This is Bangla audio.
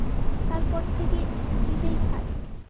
তার পর থেকে নিজেই খাই।